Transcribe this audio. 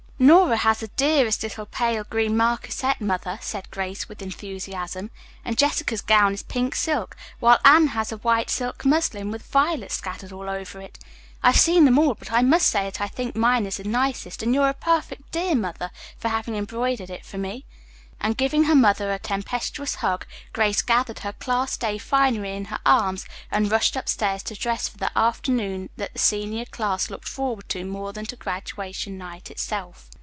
"Nora has the dearest little pale green marquisette, mother," cried Grace with enthusiasm, "and Jessica's gown is pink silk, while Anne has a white silk muslin with violets scattered all over it. I've seen them all, but I must say that I think mine is the nicest and you're a perfect dear, mother, for having embroidered it for me," and, giving her mother a tempestuous hug, Grace gathered her class day finery in her arms and rushed upstairs to dress for the afternoon that the senior class looked forward to more than to graduation night itself.